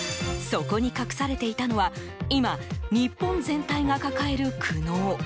そこに隠されていたのは今、日本全体が抱える苦悩。